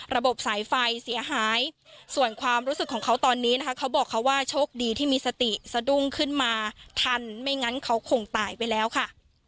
ระบบสายไฟเสียหายส่วนความรู้สึกของเขาตอนนี้นะคะเขาบอกเขาว่าโชคดีที่มีสติสะดุ้งขึ้นมาทันไม่งั้นเขาคงตายไปแล้วค่ะ